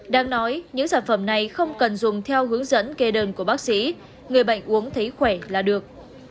đang nói những sản phẩm này không cần dùng theo hướng dẫn kê đơn của bác sĩ người bệnh uống thấy khỏe là được